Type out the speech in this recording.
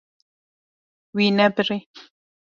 Wî nebirî.